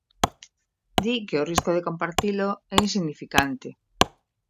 Di que o risco de compartilo é insignificante.